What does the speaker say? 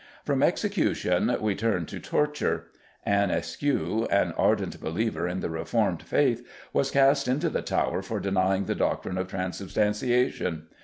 From execution we turn to torture. Anne Askew, "an ardent believer in the Reformed faith," was cast into the Tower for denying the doctrine of Transubstantiation.